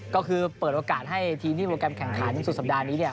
ก็คือเปิดโอกาสให้ทีมที่โปรแกรมแข่งขันสุดสัปดาห์นี้เนี่ย